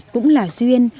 cũng là duyên